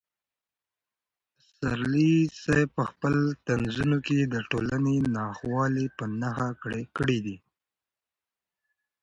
پسرلي صاحب په خپلو طنزونو کې د ټولنې ناخوالې په نښه کړې دي.